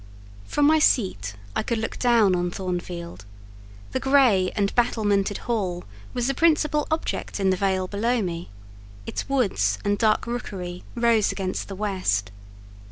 From my seat I could look down on Thornfield: the grey and battlemented hall was the principal object in the vale below me; its woods and dark rookery rose against the west.